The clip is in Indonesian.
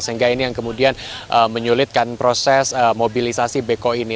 sehingga ini yang kemudian menyulitkan proses mobilisasi beko ini